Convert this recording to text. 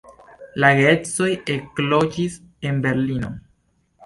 La geedzoj ekloĝis en Berlino.